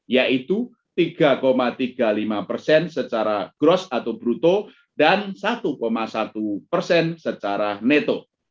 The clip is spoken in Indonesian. yaitu tiga tiga puluh lima persen secara gross atau bruto dan satu satu persen secara neto